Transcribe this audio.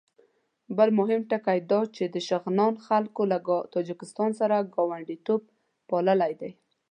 بل مهم ټکی دا چې د شغنان خلکو له تاجکستان سره ګاونډیتوب پاللی دی.